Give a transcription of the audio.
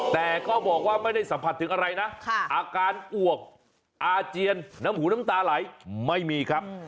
แต่ก็บอกว่าไม่ได้สัมผัสถึงอะไรนะอาการอวกอาเจียนน้ำหูน้ำตาไหลไม่มีครับ